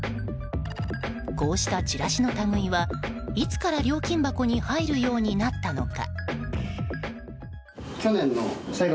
こうしたチラシの類いはいつから料金箱に入るようになったのか。